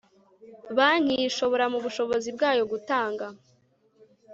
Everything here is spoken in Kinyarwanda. banki ishobora mu bushishozi bwayo gutanga